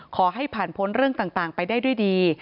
ขอให้ผ่านพ้นเรื่องต่างไปได้ด้วยดี